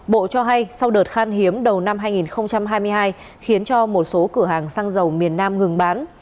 bộ cho hay sau đợt khan hiếm đầu năm hai nghìn hai mươi hai khiến cho một số cửa hàng xăng dầu miền nam ngừng bán